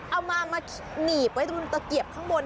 เอามาหนีบไว้ตรงตะเกียบข้างบน